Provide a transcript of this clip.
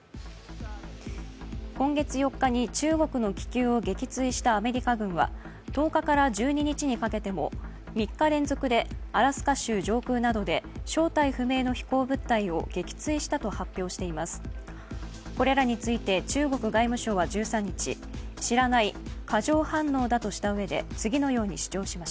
今月４日に中国の気球を撃墜したアメリカ軍は１０日から１２日にかけても３日連続でアラスカ州上空などで正体不明の飛行物体を撃墜したと発表しています。